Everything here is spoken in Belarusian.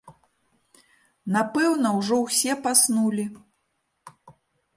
Напэўна ўжо ўсе паснулі.